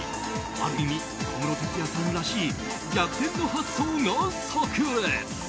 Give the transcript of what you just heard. ある意味、小室哲哉さんらしい逆転の発想が炸裂。